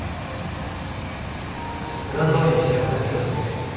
普段どおりにしてれば大丈夫だって。